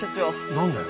何だよ？